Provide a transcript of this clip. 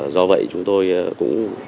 do vậy chúng tôi cũng